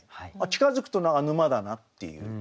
近づくと沼だなっていう。